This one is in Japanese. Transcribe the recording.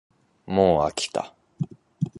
もうあきた